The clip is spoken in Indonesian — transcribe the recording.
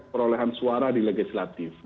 perolehan suara di legislatif